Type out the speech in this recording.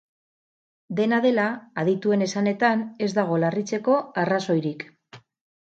Dena dela, adituen esanetan, ez dago larritzeko arrazoirik.